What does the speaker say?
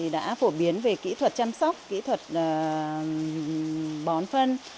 đã phổ biến về kỹ thuật chăm sóc kỹ thuật bón phân